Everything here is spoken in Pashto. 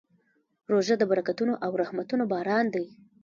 روژه د برکتونو او رحمتونو باران دی.